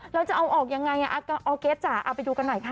เราจะเอาออกยังไงเอาเกษตรจ่ะเอาไปดูกันหน่อยค่ะ